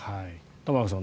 玉川さん